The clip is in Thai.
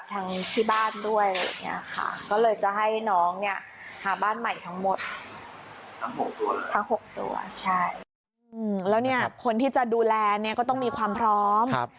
แล้วเนี่ยคนที่จะดูแลเนี่ยก็ต้องมีความพร้อม